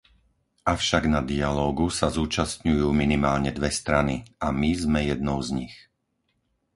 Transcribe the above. Avšak na dialógu sa zúčastňujú minimálne dve strany a my sme jednou z nich.